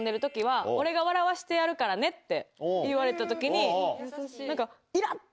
からねって言われた時に。